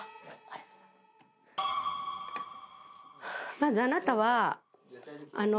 まずあなたはあの。